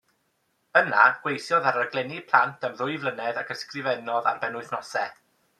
Yna gweithiodd ar raglenni plant am ddwy flynedd ac ysgrifennodd ar benwythnosau.